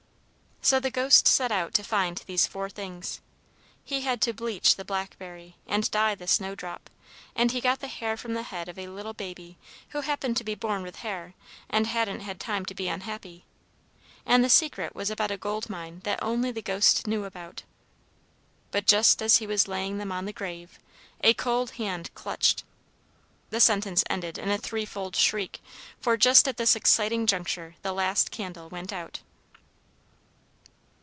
"So the Ghost set out to find these four things. He had to bleach the blackberry and dye the snowdrop, and he got the hair from the head of a little baby who happened to be born with hair and hadn't had time to be unhappy, and the secret was about a goldmine that only the Ghost knew about. But just as he was laying them on the grave, a cold hand clutched " The sentence ended in a three fold shriek, for just at this exciting juncture the last candle went out.